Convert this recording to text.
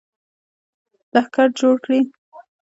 لښکر جوړ کړي.